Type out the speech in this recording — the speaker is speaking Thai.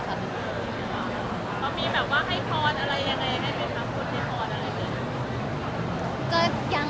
เค้ามีแบบว่าให้พรอะไรยังไงให้เป็นคำพูดให้พรอะไรเกิน